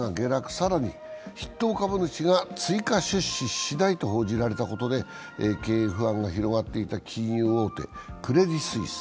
更に、筆頭株主が追加出資をしないと報じられたことで経営不安が広がっていた金融王手、クレディ・スイス。